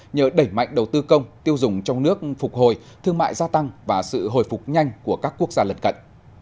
nhờ đẩy mạnh đầu tư công tiêu dùng trong nước phục hồi thương mại gia tăng và sự hồi phục nhanh của các quốc gia lật cận